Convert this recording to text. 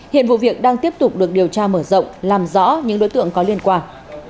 hiện vụ việc đang tiếp tục được điều tra mở rộng làm rõ những đối tượng có liên quan